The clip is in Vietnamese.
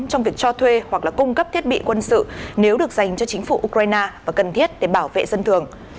trong việc cho thuê hoặc là cung cấp thiết bị quân sự nếu được dành cho chính phủ ukraine và cần thiết để bảo vệ dân thường